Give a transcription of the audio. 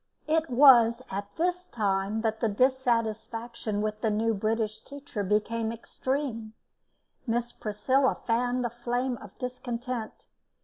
It was at this time that the dissatisfaction with the new British teacher became extreme; Miss Priscilla fanned the flame of discontent.